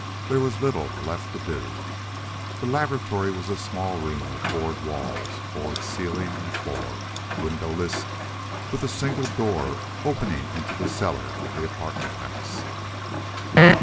There was little left to do. The laboratory was a small room of board walls, board ceiling and floor. Windowless, with a single door opening into the cellar of the apartment house.